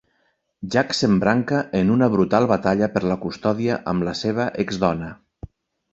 Jack s'embranca en una brutal batalla per la custòdia amb la seva exdona.